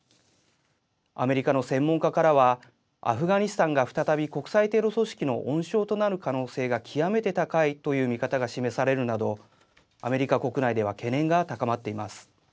アメリカの専門家からはアフガニスタンが再び国際テロ組織の温床となる可能性が極めて高いという見方が示されるなどアメリカ国内では懸念が高まっています。